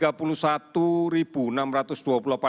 yang sudah kita periksa